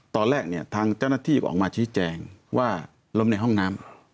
ตอนแรกเนี่ยทางเจ้าหน้าที่ออกมาชี้แจงว่าล้มในห้องน้ำ